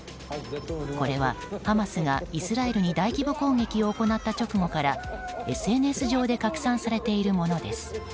これはハマスがイスラエルに大規模攻撃を行った直後からＳＮＳ上で拡散されているものです。